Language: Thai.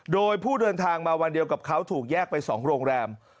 โดยผู้เดินทางมาวันเดียวกับเขาถูกแยกไป๒โรงแรม